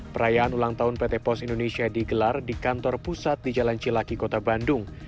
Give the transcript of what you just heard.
perayaan ulang tahun pt pos indonesia digelar di kantor pusat di jalan cilaki kota bandung